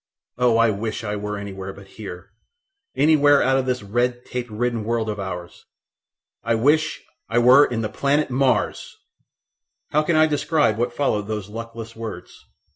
Oh, I wish I were anywhere but here, anywhere out of this redtape ridden world of ours! I WISH I WERE IN THE PLANET MARS!" How can I describe what followed those luckless words?